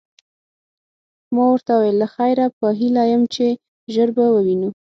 ما ورته وویل: له خیره، په هیله یم چي ژر به ووینو.